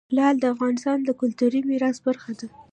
لعل د افغانستان د کلتوري میراث برخه ده.